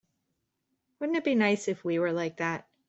Wouldn't it be nice if we were like that?